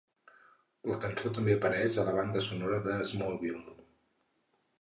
La cançó també apareix a la banda sonora de "Smallville".